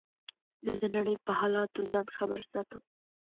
زه د نړۍ په حالاتو ځان خبر ساتم.